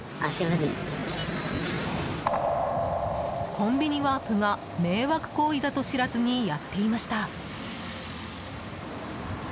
コンビニワープが迷惑行為だと知らずにやっていました。